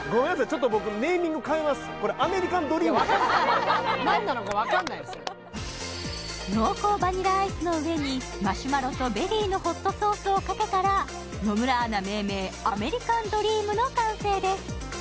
ちょっと僕これ何なのかわかんないそれ濃厚バニラアイスの上にマシュマロとベリーのホットソースをかけたら野村アナ命名アメリカンドリームの完成です